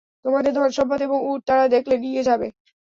তোমাদের ধন-সম্পদ এবং উট তারা দেখলে নিয়ে যাবে।